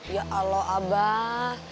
ya allah abah